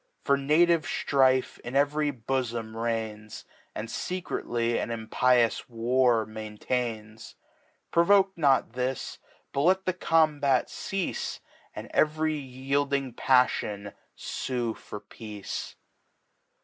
For native Strife in ev'ry Bofom reigns. And fecredy an impious War maintains : Provoke not This, but let the Combat ceafe. And cv'ry yielding Paffion fue for Peace.